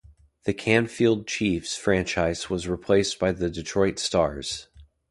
The Canfield Chiefs franchise was replaced by the Detroit Stars.